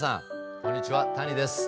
こんにちは谷です。